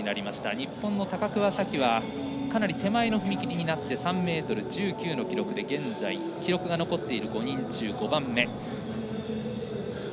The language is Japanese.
日本の高桑早生はかなり手前の踏み切りになって３ｍ１９の記録で現在、記録が残っている５人中５番目。